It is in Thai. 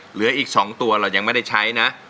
เหลืออีก๒ตัวเรายังไม่ได้ใช้นะ